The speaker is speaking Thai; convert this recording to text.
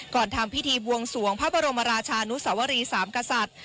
ทำพิธีบวงสวงพระบรมราชานุสวรีสามกษัตริย์